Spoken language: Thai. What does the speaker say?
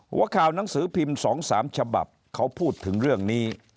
หัวข่าวหนังสือพิมพ์๒๓ฉบับเขาพูดถึงเรื่องนี้